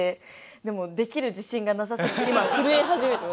でもできる自信がなさすぎて今震え始めてます。